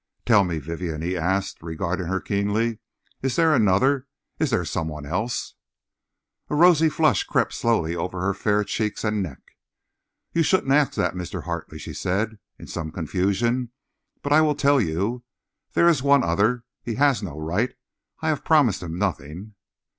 "Tell me, Vivienne," he asked, regarding her keenly, "is there another—is there some one else ?" A rosy flush crept slowly over her fair cheeks and neck. "You shouldn't ask that, Mr. Hartley," she said, in some confusion. "But I will tell you. There is one other—but he has no right—I have promised him nothing."